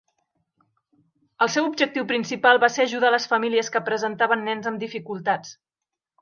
El seu objectiu principal va ser ajudar a les famílies que presentaven nens amb dificultats.